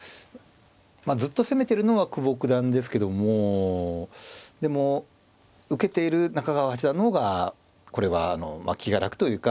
まあずっと攻めてるのは久保九段ですけどもでも受けている中川八段の方がこれは気が楽というか